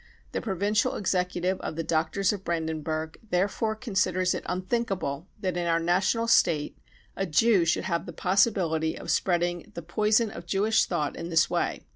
The Provincial Executive of the Doctors of Brandenburg therefore con t siders it unthinkable that in our National State a Jew should have the possibility of spreading the poison of 268 BROWN BOOK OF THE HITLER TERROR Jewish thought in this way.